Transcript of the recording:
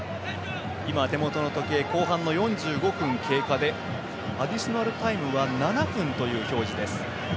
今、手元の時計４５分経過でアディショナルタイムは７分という表示です。